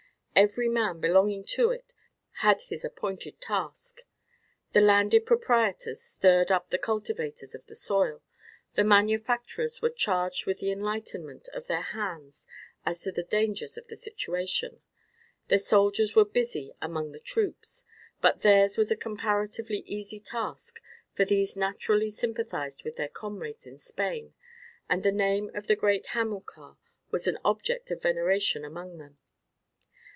Every man belonging to it had his appointed task. The landed proprietors stirred up the cultivators of the soil, the manufacturers were charged with the enlightenment of their hands as to the dangers of the situation, the soldiers were busy among the troops; but theirs was a comparatively easy task, for these naturally sympathized with their comrades in Spain, and the name of the great Hamilcar was an object of veneration among them.